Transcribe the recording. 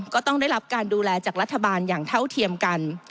ก็ต้องได้รับการดูแลจากรัฐบาลอย่างเท่าเทียมกัน